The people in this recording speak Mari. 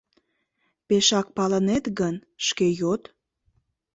Пешак палынет гын, шке йод.